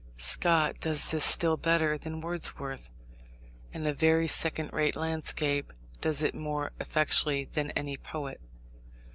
Scott does this still better than Wordsworth, and a very second rate landscape does it more effectually than any poet.